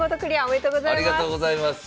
おめでとうございます。